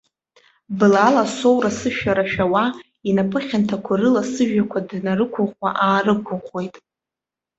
Блала соура-сышәара шәауа, инапы хьанҭақәа рыла сыжәҩақәа днарықәыӷәӷәа-аарықәыӷәӷәеит.